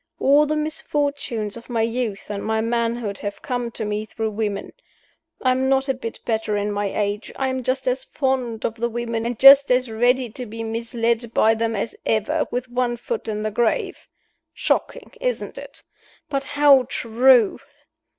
All the misfortunes of my youth and my manhood have come to me through women. I am not a bit better in my age I am just as fond of the women and just as ready to be misled by them as ever, with one foot in the grave. Shocking, isn't it? But how true!